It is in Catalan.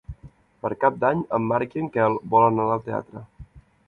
Per Cap d'Any en Marc i en Quel volen anar al teatre.